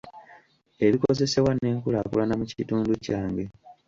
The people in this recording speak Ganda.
Ebikozesebwa n’enkulaakulana mu kitundu kyange.